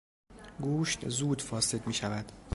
گوشت زود فاسد میشود.